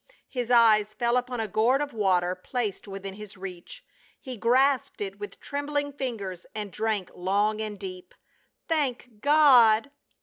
His eyes fell upon a gourd of water placed within his reach ; he grasped it with trembling fingers and drank long and deep. "Thank God